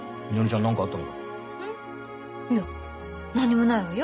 いや何にもないわよ。